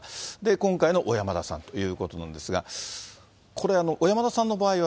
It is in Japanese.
今回の小山田さんということなんですが、これ、小山田さんの場合は、